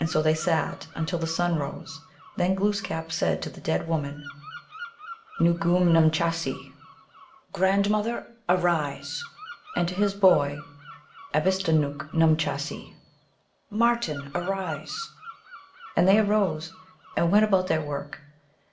And so they sat until the sun rose. Then Glooskap said to the dead woman, " Noogume, numchahsc !" (M.) Grandmother, arise !" and to his boy, " Abistanooch numchahsef "" Marten, arise !" and they arose, and went about their work.